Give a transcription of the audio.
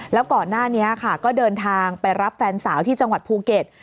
แล้วก่อนหน้านี้ค่ะก็เดินทางไปรับแฟนสาวที่จังหวัดภูเก็ต